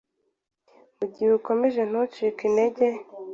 Mugihe ukomeje ntucike intege